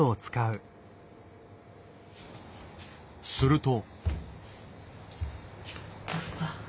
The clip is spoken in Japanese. すると。